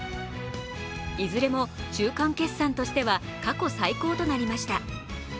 いずれも中間決算としては過去最高となりました。